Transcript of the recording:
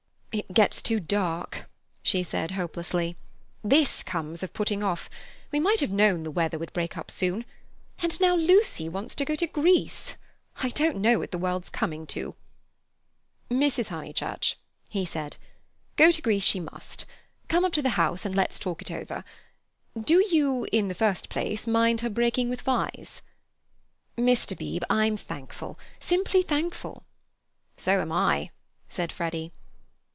"It gets too dark," she said hopelessly. "This comes of putting off. We might have known the weather would break up soon; and now Lucy wants to go to Greece. I don't know what the world's coming to." "Mrs. Honeychurch," he said, "go to Greece she must. Come up to the house and let's talk it over. Do you, in the first place, mind her breaking with Vyse?" "Mr. Beebe, I'm thankful—simply thankful." "So am I," said Freddy.